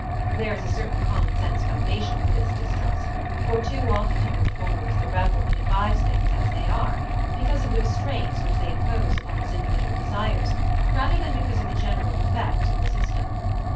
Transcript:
There is a certain common sense foundation for this distrust, for too often the reformer is the rebel who defies things as they are, because of the restraints which they impose upon his individual desires rather than because of the general defects of the system.